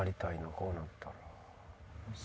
こうなったら。